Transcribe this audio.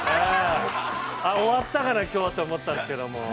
終わったかな、きょうと思ったんですけれども。